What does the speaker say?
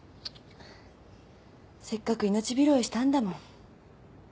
せっかく命拾いしたんだもん。